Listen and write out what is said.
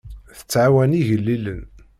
Tettɛawan igellilen.